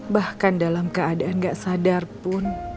bahkan dalam keadaan gak sadar pun